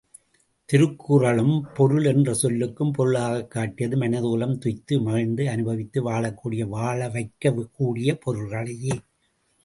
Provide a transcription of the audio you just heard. திருக்குறளும் பொருள் என்ற சொல்லுக்கும் பொருளாகக் காட்டியது மனிதகுலம் துய்த்து மகிழ்ந்து அனுபவித்து வாழக்கூடிய, வாழவைக்கக் கூடிய பொருள்களையே.